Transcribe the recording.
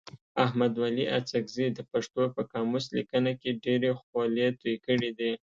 احمد ولي اڅکزي د پښتو په قاموس لیکنه کي ډېري خولې توی کړي دي.